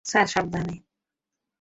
Sir, সাবধানে!